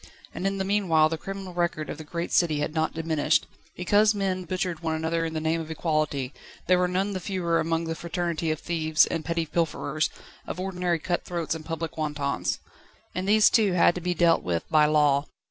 And in the meanwhile the criminal record of the great city had not diminished. Because men butchered one another in the name of Equality, there were none the fewer among the Fraternity of thieves and petty pilferers, of ordinary cut throats and public wantons. And these too had to be dealt with by law.